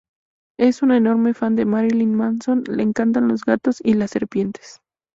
Es una enorme fan de Marilyn Manson, le encantan los gatos y las serpientes.